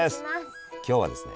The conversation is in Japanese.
今日はですね